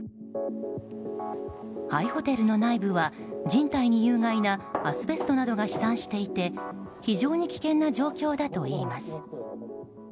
廃ホテルの内部は人体に有害なアスベストなどが飛散していて非常に危険な状況だといいます。